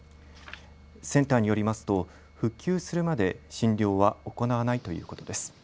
センターによりますと復旧するまで診療は行わないということです。